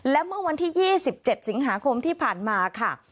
และเมื่อวันที่๒๗สิงหาคมที่ผ่านมาค่ะ